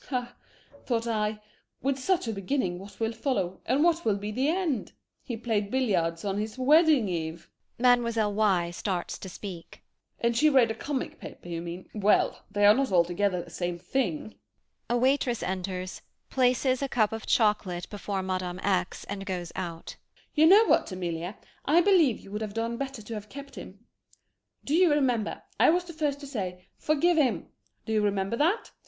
Huh, thought I, with such a beginning, what will follow, and what will be the end? He played billiards on his wedding eve! [Mlle. Y. starts to speak]. And she read a comic paper, you mean? Well, they are not altogether the same thing. [A waitress enters, places a cup of chocolate before Mme. X. and goes out.] MME. X. You know what, Amelie! I believe you would have done better to have kept him! Do you remember, I was the first to say "Forgive him?" Do you remember that?